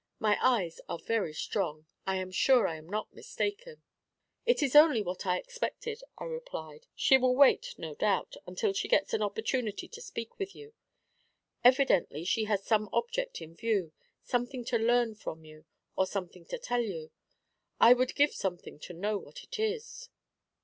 My eyes are very strong I am sure I am not mistaken.' 'It is only what I expected,' I replied. 'She will wait, no doubt, until she gets an opportunity to speak with you. Evidently she has some object in view, something to learn from you, or something to tell you. I would give something to know what it is.'